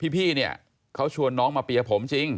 พี่เนี่ยเขาชวนน้องมาเปียร์ผมจริง